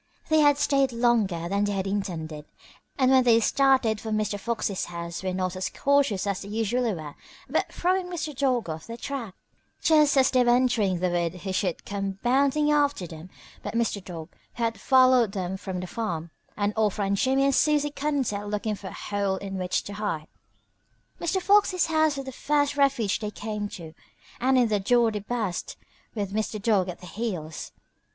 They had stayed longer than they had intended, and when they started for Mr. Fox's house were not as cautious as they usually were about throwing Mr. Dog off their track. Just as they were entering the wood who should come bounding after them but Mr. Dog, who had followed them from the farm, and off ran Jimmie and Susie Cottontail looking for a hole in which to hide. Mr. Fox's house was the first refuge they came to, and in the door they burst, with Mr. Dog at their heels.